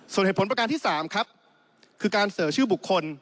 ส่วนเหตุผลประการที่๓ครับคือการเสนอชื่อบุคคล